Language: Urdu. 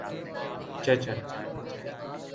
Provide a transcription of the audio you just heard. چیچن